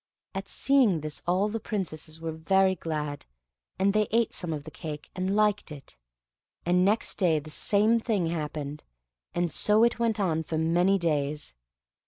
At seeing this all the Princesses were very glad, and they ate some of the cake, and liked it; and next day the same thing happened, and so it went on for many days.